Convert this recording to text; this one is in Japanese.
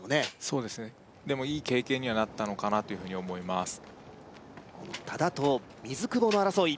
そうですねでもいい経験にはなったのかなと思います多田と水久保の争い